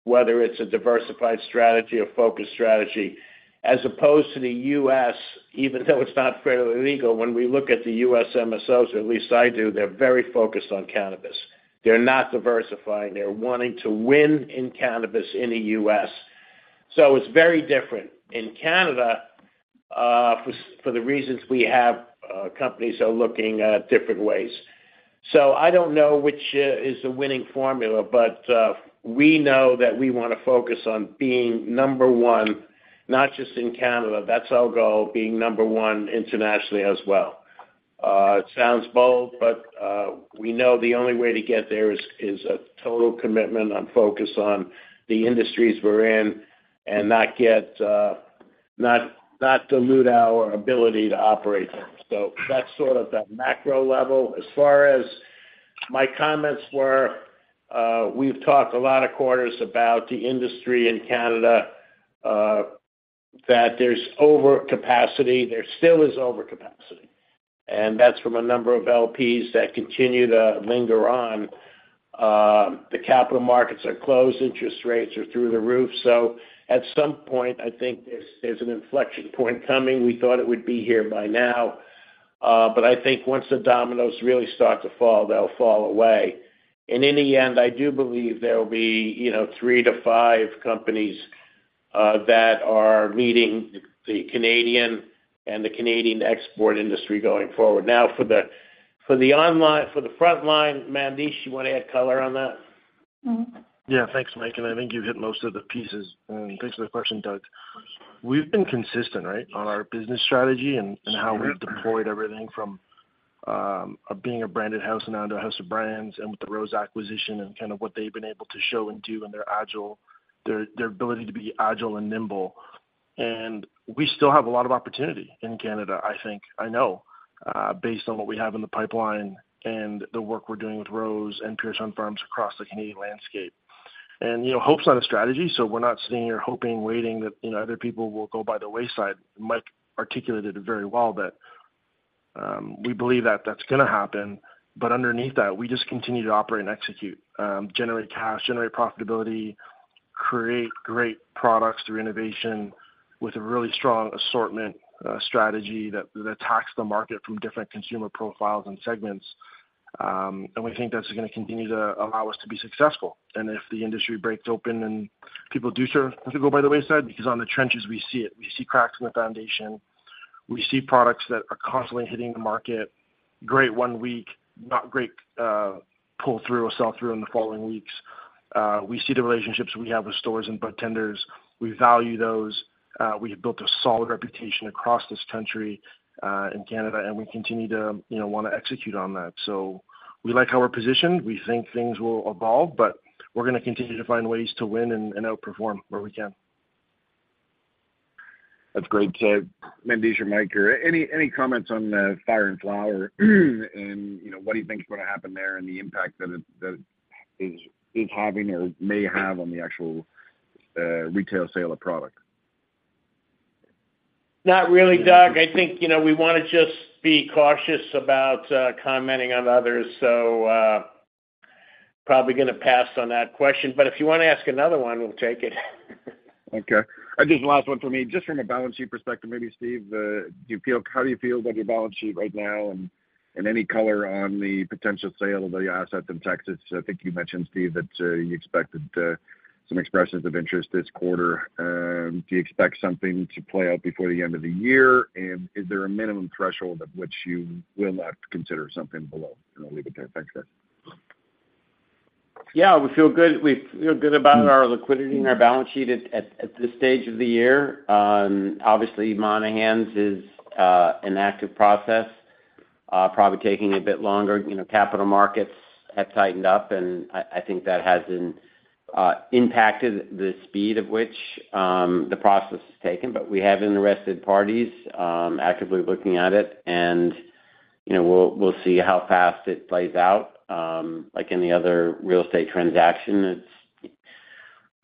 whether it's a diversified strategy or focused strategy. As opposed to the U.S., even though it's not fairly legal, when we look at the U.S. MSOs, or at least I do, they're very focused on cannabis. They're not diversifying. They're wanting to win in cannabis in the U.S. It's very different. In Canada, for, for the reasons we have, companies are looking at different ways. I don't know which is the winning formula, but we know that we want to focus on being number one, not just in Canada. That's our goal, being number one internationally as well. It sounds bold, but we know the only way to get there is, is a total commitment on focus on the industries we're in and not get, not, not dilute our ability to operate there. That's sort of the macro level. As far as my comments were, we've talked a lot of quarters about the industry in Canada, that there's overcapacity. There still is overcapacity, and that's from a number of LPs that continue to linger on. The capital markets are closed, interest rates are through the roof. At some point, I think there's, there's an inflection point coming. We thought it would be here by now, but I think once the dominoes really start to fall, they'll fall away. In the end, I do believe there will be, you know, 3-5 companies that are meeting the Canadian and the Canadian export industry going forward. For the, for the frontline, Mandesh, you want to add color on that? Mm-hmm. Yeah, thanks, Mike, and I think you hit most of the pieces. Thanks for the question, Doug. We've been consistent, right, on our business strategy and how we've deployed everything from being a branded house now into a house of brands with the Rose acquisition and kind of what they've been able to show and do, and their agile, their ability to be agile and nimble. We still have a lot of opportunity in Canada, I think. I know, based on what we have in the pipeline and the work we're doing with Rose and Pure Sunfarms across the Canadian landscape. You know, hope's not a strategy, so we're not sitting here hoping, waiting that, you know, other people will go by the wayside. Mike articulated it very well, that we believe that that's gonna happen. Underneath that, we just continue to operate and execute, generate cash, generate profitability, create great products through innovation, with a really strong assortment strategy that, that attacks the market from different consumer profiles and segments. We think that's gonna continue to allow us to be successful. If the industry breaks open and people do start to go by the wayside, because on the trenches, we see it, we see cracks in the foundation. We see products that are constantly hitting the market, great one week, not great, pull through or sell through in the following weeks. We see the relationships we have with stores and budtenders. We value those. We have built a solid reputation across this country, in Canada, and we continue to, you know, wanna execute on that. We like how we're positioned. We think things will evolve, but we're gonna continue to find ways to win and, and outperform where we can. That's great. Mandesh, your mic here. Any, any comments on the Fire & Flower? You know, what do you think is gonna happen there and the impact that it, that is, is having or may have on the actual retail sale of product? Not really, Doug. I think, you know, we wanna just be cautious about commenting on others. Probably gonna pass on that question, but if you wanna ask another one, we'll take it. Okay. Just last one for me, just from a balance sheet perspective, maybe Steve, how do you feel about your balance sheet right now, and any color on the potential sale of the assets in Texas? I think you mentioned, Steve, that you expected some expressions of interest this quarter. Do you expect something to play out before the end of the year? Is there a minimum threshold at which you will not consider something below? I'll leave it there. Thanks, guys. Yeah, we feel good. We feel good about our liquidity and our balance sheet at, at, at this stage of the year. Obviously, Monahans is an active process, probably taking a bit longer, you know, capital markets have tightened up, and I, I think that has impacted the speed of which the process has taken. We have interested parties actively looking at it, and, you know, we'll, we'll see how fast it plays out. Like any other real estate transaction, it's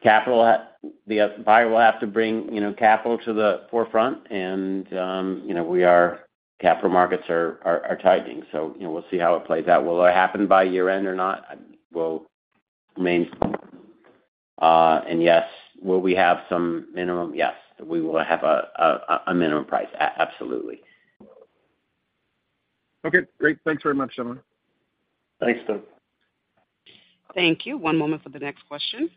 capital at... The buyer will have to bring, you know, capital to the forefront, and, you know, we are, capital markets are, are, are tightening, so, you know, we'll see how it plays out. Will it happen by year-end or not? Well, remains, yes, will we have some minimum? Yes, we will have a, a, a minimum price. A-absolutely. Okay, great. Thanks very much, gentlemen. Thanks, Doug. Thank you. One moment for the next question.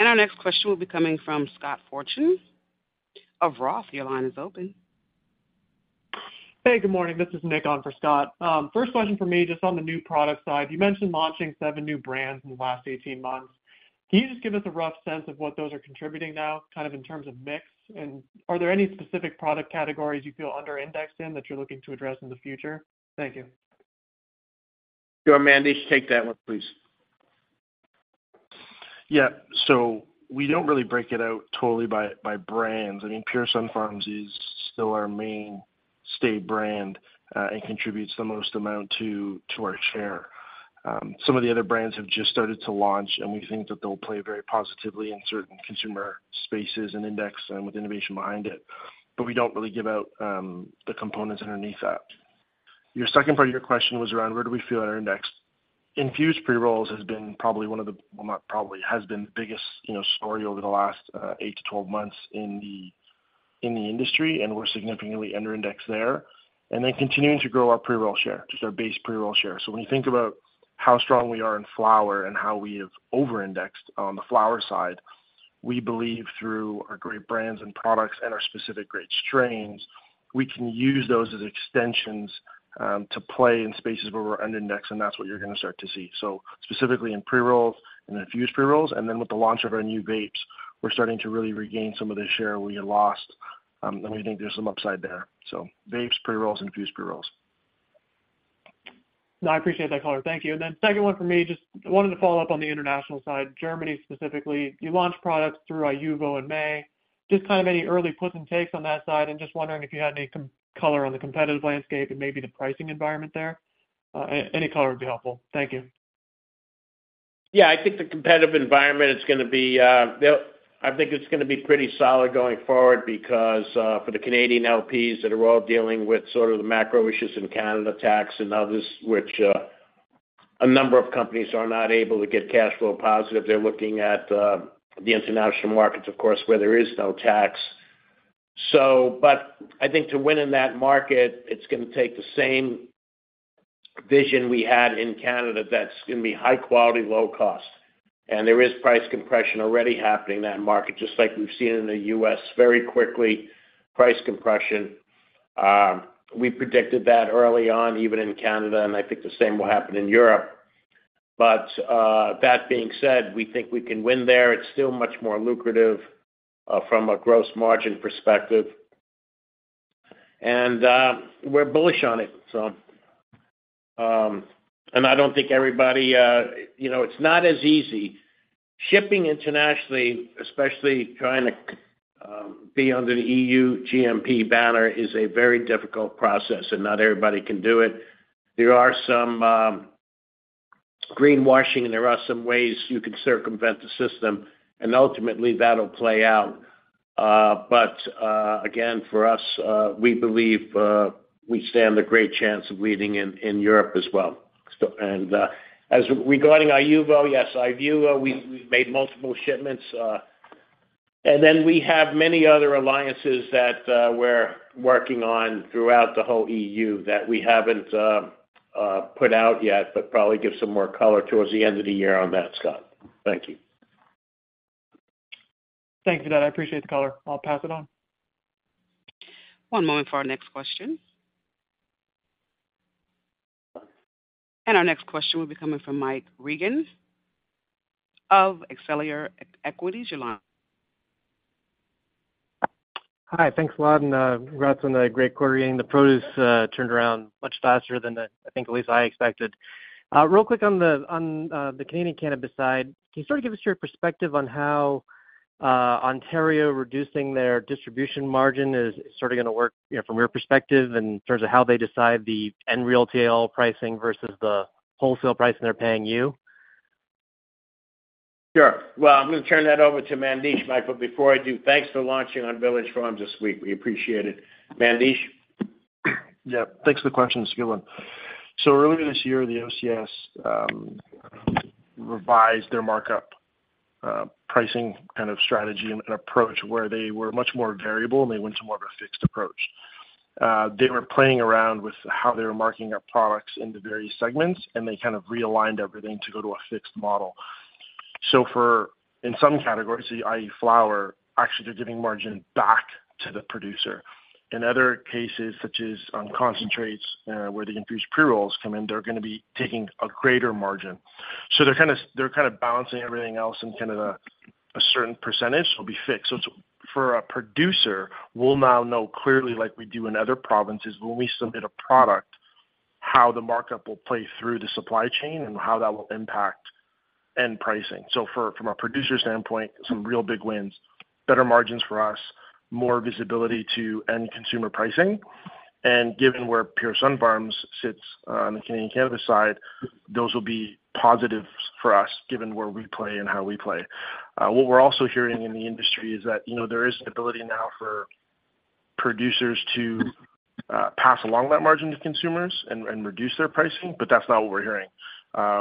Our next question will be coming from Scott Fortune of Roth. Your line is open. Hey, good morning. This is Nick on for Scott. First question for me, just on the new product side, you mentioned launching seven new brands in the last 18 months. Can you just give us a rough sense of what those are contributing now, kind of in terms of mix? Are there any specific product categories you feel under indexed in, that you're looking to address in the future? Thank you. Sure, Mandesh, take that one, please. Yeah. We don't really break it out totally by, by brands. I mean, Pure Sunfarms is still our main state brand, and contributes the most amount to, to our share. Some of the other brands have just started to launch, and we think that they'll play very positively in certain consumer spaces and index and with innovation behind it, but we don't really give out the components underneath that. Your second part of your question was around where do we feel at our index? Infused pre-rolls has been probably one of the, well, not probably, has been the biggest, you know, story over the last 8-12 months in the, in the industry, and we're significantly under indexed there, and then continuing to grow our pre-roll share, just our base pre-roll share. When you think about how strong we are in flower and how we have over-indexed on the flower side, we believe through our great brands and products and our specific great strains, we can use those as extensions, to play in spaces where we're under-indexed, and that's what you're gonna start to see. Specifically in pre-rolls and infused pre-rolls, and then with the launch of our new vapes, we're starting to really regain some of the share we had lost, and we think there's some upside there. Vapes, pre-rolls, infused pre-rolls. No, I appreciate that color. Thank you. Then second one for me, just wanted to follow up on the international side, Germany, specifically. You launched products through IUVO in May. Just kind of any early puts and takes on that side, and just wondering if you had any color on the competitive landscape and maybe the pricing environment there? Any color would be helpful. Thank you. Yeah, I think the competitive environment, it's gonna be, I think it's gonna be pretty solid going forward because for the Canadian LPs that are all dealing with sort of the macro issues in Canada, tax and others, which a number of companies are not able to get cash flow positive. They're looking at the international markets, of course, where there is no tax. I think to win in that market, it's gonna take the same vision we had in Canada that's gonna be high quality, low cost. There is price compression already happening in that market, just like we've seen in the US, very quickly, price compression. We predicted that early on, even in Canada, and I think the same will happen in Europe. That being said, we think we can win there. It's still much more lucrative from a gross margin perspective, and we're bullish on it. I don't think everybody, you know, it's not as easy. Shipping internationally, especially trying to be under the EU GMP banner, is a very difficult process, and not everybody can do it. There are some greenwashing, and there are some ways you can circumvent the system, and ultimately that'll play out. Again, for us, we believe we stand a great chance of leading in Europe as well. As regarding Iuvo, yes, Iuvo, we've made multiple shipments, and then we have many other alliances that we're working on throughout the whole EU that we haven't put out yet, but probably give some more color towards the end of the year on that, Scott. Thank you. Thank you for that. I appreciate the color. I'll pass it on. One moment for our next question. Our next question will be coming from Mike Regan of Excelsior Equities. Your line- Hi, thanks a lot, congrats on the great quarter. Again, the produce turned around much faster than the, I think, at least I expected. Real quick on the, on, the Canadian cannabis side, can you sort of give us your perspective on how Ontario reducing their distribution margin is sort of gonna work, you know, from your perspective, in terms of how they decide the end retail pricing versus the wholesale price they're paying you? Sure. Well, I'm gonna turn that over to Mandesh, Michael. Before I do, thanks for launching on Village Farms this week. We appreciate it. Mandesh? Yeah, thanks for the question. It's a good one. Earlier this year, the OCS revised their markup pricing kind of strategy and approach, where they were much more variable, and they went to more of a fixed approach. They were playing around with how they were marking up products in the various segments, and they kind of realigned everything to go to a fixed model. For, in some categories, the like flower, actually, they're giving margin back to the producer. In other cases, such as on concentrates, where the infused pre-rolls come in, they're gonna be taking a greater margin. They're kind of balancing everything else, and kind of a certain % will be fixed. It's, for a producer, we'll now know clearly, like we do in other provinces, when we submit a product, how the markup will play through the supply chain and how that will impact end pricing. For, from a producer standpoint, some real big wins, better margins for us, more visibility to end consumer pricing, and given where Pure Sunfarms sits on the Canadian cannabis side, those will be positive for us, given where we play and how we play. What we're also hearing in the industry is that, you know, there is an ability now for producers to, pass along that margin to consumers and reduce their pricing, but that's not what we're hearing.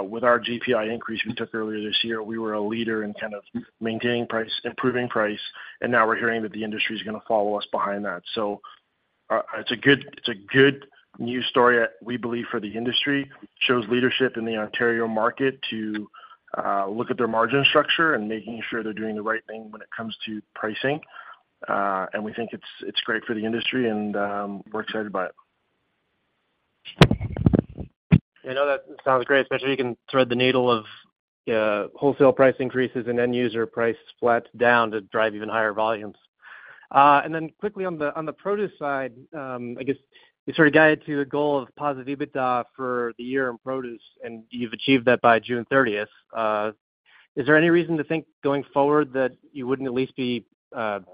With our GPI increase we took earlier this year, we were a leader in kind of maintaining price, improving price, and now we're hearing that the industry is gonna follow us behind that. It's a good, it's a good news story that we believe for the industry. Shows leadership in the Ontario market to look at their margin structure and making sure they're doing the right thing when it comes to pricing. We think it's, it's great for the industry and we're excited about it. I know that sounds great, especially you can thread the needle of wholesale price increases and end user price flats down to drive even higher volumes. Then quickly on the, on the produce side, I guess you sort of guided to the goal of positive EBITDA for the year in produce, and you've achieved that by June 30th. Is there any reason to think going forward that you wouldn't at least be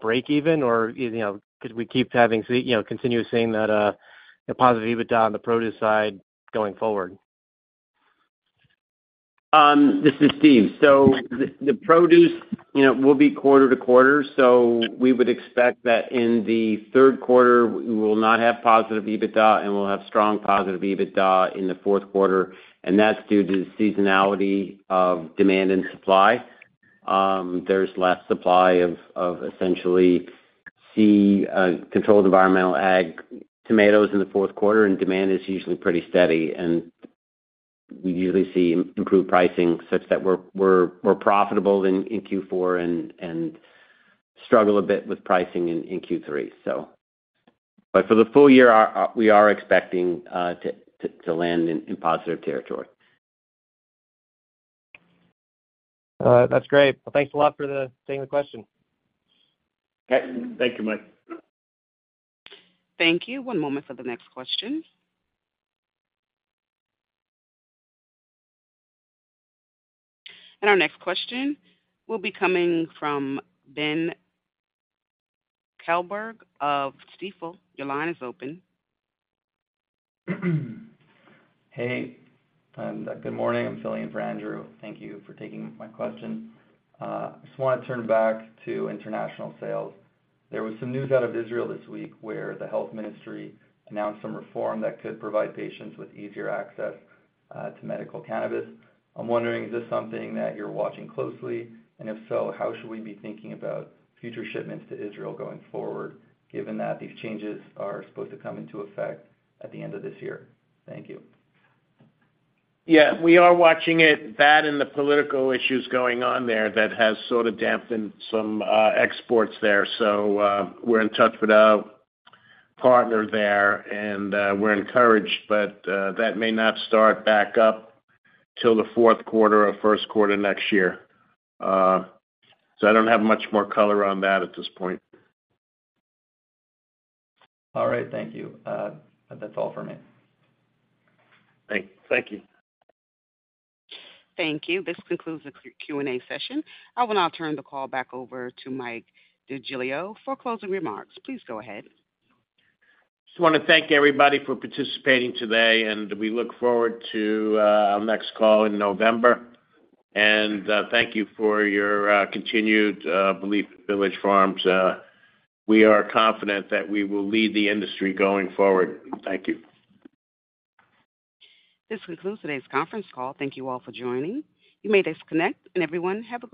break even? You know, because we keep having to see, you know, continuously seeing that the positive EBITDA on the produce side going forward. This is Steve. The produce, you know, will be quarter to quarter. We would expect that in the third quarter, we will not have positive EBITDA, and we'll have strong positive EBITDA in the fourth quarter, and that's due to the seasonality of demand and supply. There's less supply of essentially controlled environmental ag tomatoes in the fourth quarter, and demand is usually pretty steady. We usually see improved pricing such that we're, we're, we're profitable in Q4 and struggle a bit with pricing in Q3. For the full year, our, we are expecting to land in positive territory. That's great. Well, thanks a lot for taking the question. Okay. Thank you, Mike. Thank you. One moment for the next question. Our next question will be coming from Ben Kleinberg of Stifel. Your line is open. Hey, and good morning. I'm filling in for Andrew. Thank you for taking my question. I just wanna turn back to international sales. There was some news out of Israel this week, where the health ministry announced some reform that could provide patients with easier access to medical cannabis. I'm wondering, is this something that you're watching closely? If so, how should we be thinking about future shipments to Israel going forward, given that these changes are supposed to come into effect at the end of this year? Thank you. Yeah, we are watching it, that and the political issues going on there that has sort of dampened some exports there. We're in touch with our partner there, and we're encouraged, but that may not start back up till the 4th quarter or 1st quarter next year. I don't have much more color on that at this point. All right. Thank you. That's all for me. Thank you. Thank you. This concludes the Q-QA session. I will now turn the call back over to Mike DeGiglio for closing remarks. Please go ahead. Just wanna thank everybody for participating today. We look forward to our next call in November. Thank you for your continued belief in Village Farms. We are confident that we will lead the industry going forward. Thank you. This concludes today's conference call. Thank you all for joining. You may disconnect, and everyone, have a great day.